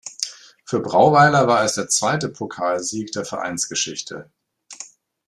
Für Brauweiler war es der zweite Pokalsieg der Vereinsgeschichte.